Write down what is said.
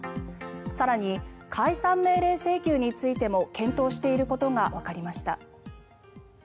更に、解散命令請求についても検討していることがわかりました。